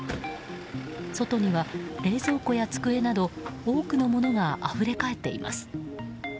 外には、冷蔵庫や机など多くのものがあふれ返っています。